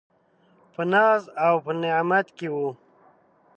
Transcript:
په ناز او په نعمت کي و .